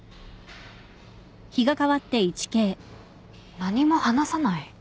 何も話さない？